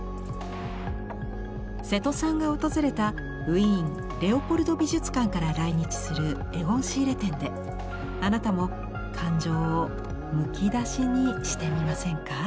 瀬戸さんが訪れたウィーンレオポルド美術館から来日するエゴン・シーレ展であなたも感情をむき出しにしてみませんか。